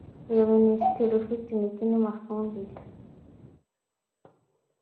iyo minisitiri ufite imiti n amafumbire